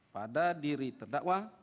pada diri terdakwa